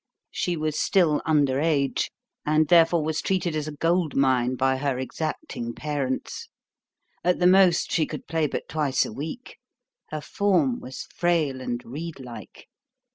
She was still under age, and therefore was treated as a gold mine by her exacting parents. At the most she could play but twice a week. Her form was frail and reed like.